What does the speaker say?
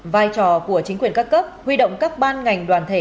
vai trò của chính quyền các cấp huy động các ban ngành đoàn thể